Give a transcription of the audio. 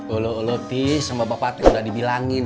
ulu ulu pi sama bapak pati udah dibilangin